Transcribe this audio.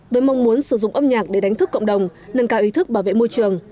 với mong muốn sử dụng âm nhạc để đánh thức cộng đồng nâng cao ý thức bảo vệ môi trường